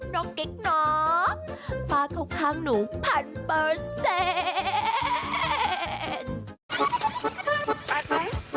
กิ๊กน้องป้าเข้าข้างหนูพันเปอร์เซ็นต์